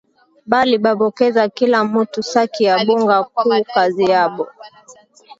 Bali bapokeza kila mutu saki ya bunga ku kazi yabo